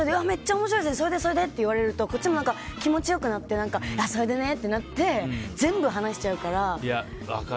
めっちゃ面白いですねそれでそれで？って言われるとこっちも、気持ちよくなってそれでねってなって全部話しちゃうから。